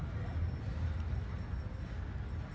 kri kepala kepala kepala